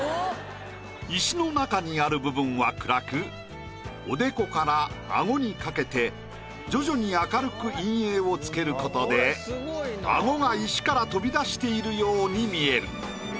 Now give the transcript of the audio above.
石の中にある部分は暗くおでこから顎にかけて徐々に明るく陰影を付けることで顎が石から飛び出しているように見える。